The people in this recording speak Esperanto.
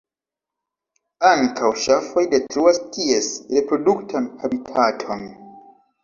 Ankaŭ ŝafoj detruas ties reproduktan habitaton.